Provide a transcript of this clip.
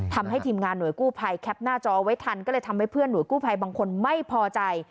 ทำให้ทีมงานหน่วยกู้ภัยแคปหน้าจอไว้ทันก็เลยทำให้เพื่อนห่วกู้ภัยบางคนไม่พอใจ